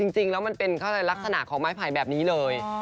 จริงแล้วมันเป็นลักษณะของไม้ไผ่แบบนี้เลย